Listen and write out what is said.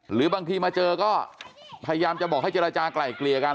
หรือบางทีมาเจอก็พยายามจะบอกให้เจรจากลายเกลี่ยกัน